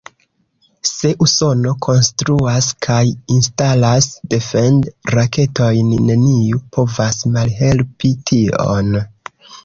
Se Usono konstruas kaj instalas defend-raketojn, neniu povas malhelpi tion.